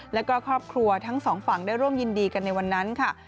แล้วก็ครอบครัวทั้งสองฝั่งได้ร่วมยินดีกันในวันนั้นค่ะ